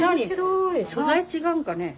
素材違うんかね。